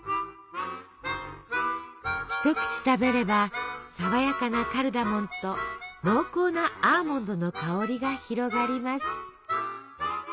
一口食べれば爽やかなカルダモンと濃厚なアーモンドの香りが広がります。